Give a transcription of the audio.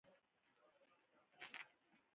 افغانستان يو بشپړ اسلامي هيواد دی.